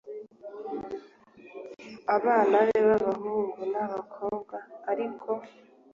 abana be b abahungu n ab abakobwa ariko